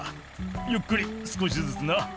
「ゆっくり少しずつな」